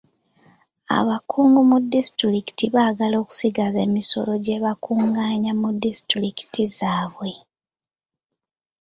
Abakungu mu disitulikii baagala okusigaza emisolo gye baakungaanya mu disitulikiti zaabwe.